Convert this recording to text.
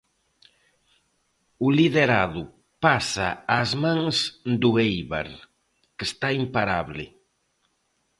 O liderado pasa ás mans do Éibar, que está imparable.